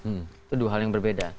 itu dua hal yang berbeda